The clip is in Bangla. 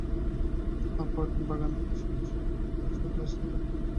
আবার তাহার পরদিন বাগানে আসিয়া বসিল, মনে করিল, আজ হয়তো আসিতেও পারে।